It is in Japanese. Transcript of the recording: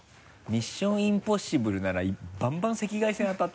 「ミッション：インポッシブル」ならバンバン赤外線当たってる。